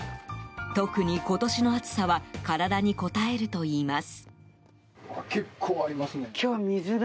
特に、今年の暑さは体にこたえるといいます。